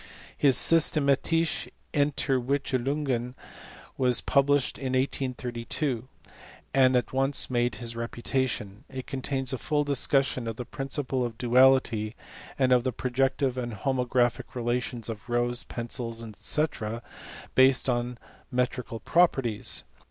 His Systematise?!* Entivickelunyen was published in 1832, and at once made his reputation: it contains a full discussion of the principle of duality, and of the projective and homographic relations of rows, pencils, <fec., based on metrical properties.